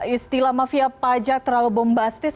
istilah mafia pajak terlalu bombastis